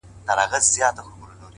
خپل مسیر د ارزښتونو پر بنسټ وټاکئ؛